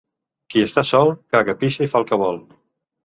Qui està sol, caga, pixa i fa el que vol.